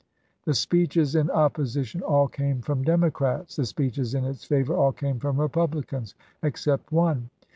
The speeches in opposition all came from Democrats; the speeches in its favor all came from Republicans, except one.